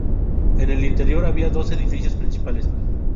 En el interior había dos edificios principales.